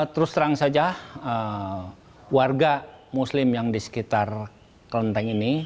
terus terang saja warga muslim yang di sekitar kelenteng ini